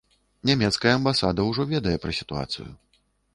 Нямецкая амбасада ўжо ведае пра сітуацыю.